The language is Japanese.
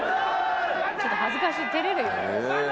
ちょっと恥ずかしい照れるよ。